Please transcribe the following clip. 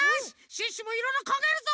シュッシュもいろいろかんがえるぞ！